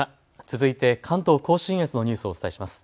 続いて関東甲信越のニュースをお伝えします。